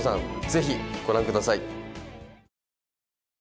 ぜひご覧ください。